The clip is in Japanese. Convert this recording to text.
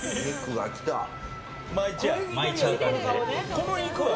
このお肉は？